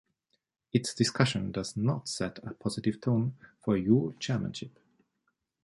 Its discussion does not set a positive tone for your chairmanship.